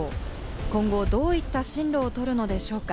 今後どういった進路をとるのでしょうか？